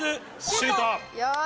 シュート！